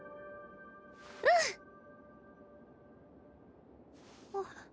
うん。あっ。